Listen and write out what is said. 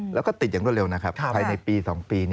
แล้วก็ติดอย่างรวดเร็วนะครับภายในปี๒ปี